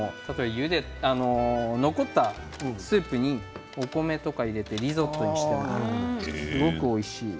残ったスープにお米とかを入れてリゾットにしてもらってもすごくおいしいです。